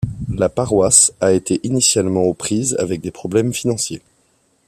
La paroisse a été initialement aux prises avec des problèmes financiers.